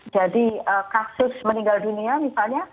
jadi kaksus meninggal dunia misalnya